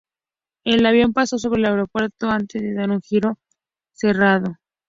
El avión pasó sobre el aeropuerto antes de dar un giro cerrado.